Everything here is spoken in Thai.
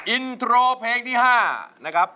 อินโทรเพลงที่๕นะครับ